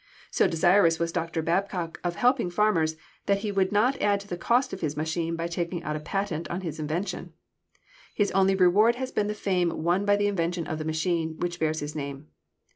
So desirous was Dr. Babcock of helping the farmers that he would not add to the cost of his machine by taking out a patent on his invention. His only reward has been the fame won by the invention of the machine, which bears his name.